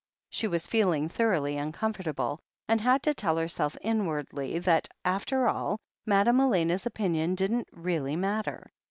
She was feeling thoroughly uncomfortable, and had to tell herself inwardly that, after all, Madame Elena's opinion didn't really matter.